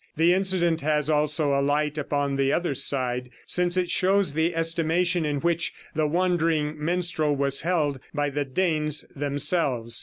The incident has also a light upon the other side, since it shows the estimation in which the wandering minstrel was held by the Danes themselves.